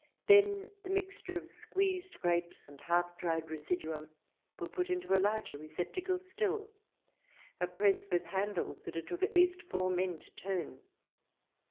Then the mixture of squeezed grapes. cH.xxi] "TAKE US THE LITTLE FOXES" 317 the half dried residuum, were put into a larger receptacle still, a press with handles that it took at least four men to turn.